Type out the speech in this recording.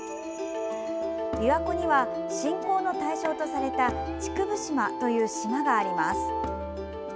琵琶湖には、信仰の対象とされた竹生島という島があります。